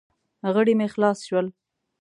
غړي مې خلاص شول.